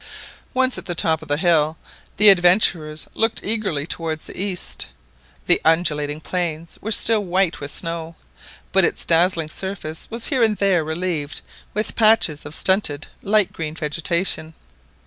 Once at the top of the hill, the adventurers looked eagerly towards the east. The undulating plains were still white with snow, but its dazzling surface was here and there relieved with patches of stunted light green vegetation.